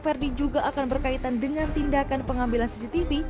verdi juga akan berkaitan dengan tindakan pengambilan cctv